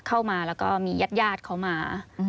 เข้ามาแล้วก็มีญาติญาติเขามา